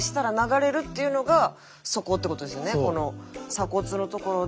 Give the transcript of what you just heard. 鎖骨のところで。